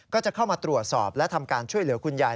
ก็จะเข้ามาตรวจสอบและทำการช่วยเหลือคุณยาย